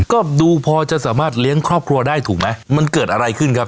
ก็ดูพอจะสามารถเลี้ยงครอบครัวได้ถูกไหมมันเกิดอะไรขึ้นครับ